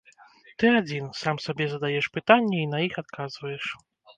Ты адзін, сам сабе задаеш пытанні і на іх адказваеш.